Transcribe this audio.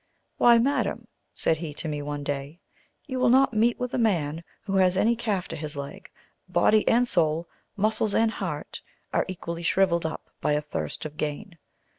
"Why, madam," said he to me one day, "you will not meet with a man who has any calf to his leg; body and soul, muscles and heart, are equally shrivelled up by a thirst of gain.